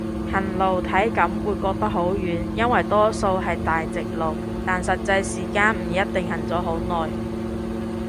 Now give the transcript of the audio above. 行路體感會覺得好遠，因為多數係大直路，但實際時間唔一定行咗好耐